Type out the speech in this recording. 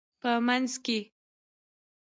په مینځ کې